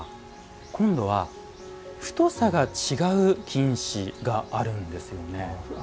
今度は、太さが違う金糸があるんですよね。